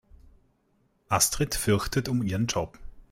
Astrid fürchtet um ihren Job.